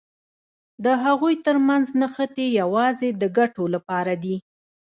د هغوی تر منځ نښتې یوازې د ګټو لپاره دي.